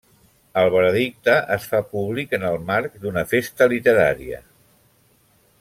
El veredicte es fa públic en el marc d'una festa literària.